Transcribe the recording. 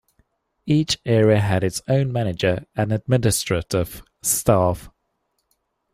Each area had its own manager and administrative staff.